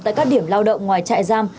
tại các điểm lao động ngoài trại giam